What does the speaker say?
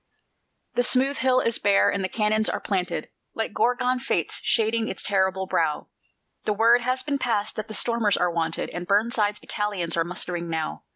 The smooth hill is bare, and the cannons are planted, Like Gorgon fates shading its terrible brow; The word has been passed that the stormers are wanted, And Burnside's battalions are mustering now.